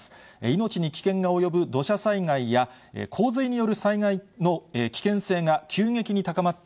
命に危険が及ぶ土砂災害や洪水による災害の危険性が急激に高まっ